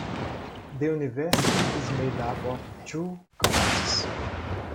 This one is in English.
The university is made up of two campuses.